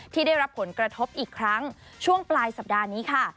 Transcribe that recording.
ที่ได้รับผลกระทบอีกครั้งช่วงปลายสัปดาห์นี้ค่ะ